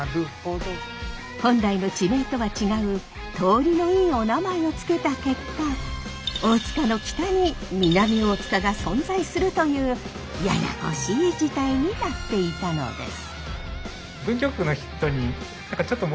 本来の地名とは違う通りのいいおなまえを付けた結果大塚の北に南大塚が存在するというややこしい事態になっていたのです。